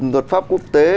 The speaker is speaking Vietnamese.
luật pháp quốc tế